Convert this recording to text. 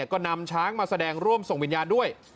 ก็นำช้างมาแสดงร่วมส่งวิญญาณด้วย